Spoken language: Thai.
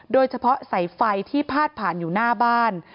โดยเฉพาะสายไฟที่พาดผ่านอยู่หน้าบ้าน